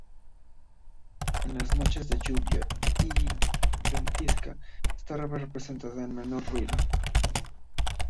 En las noches de lluvia y ventisca, estaba presente en el menor ruido.